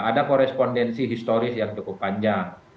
ada korespondensi historis yang cukup panjang